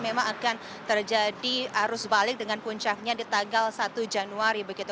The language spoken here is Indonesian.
memang akan terjadi arus balik dengan puncaknya di tanggal satu januari begitu